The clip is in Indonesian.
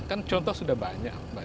kan contoh sudah banyak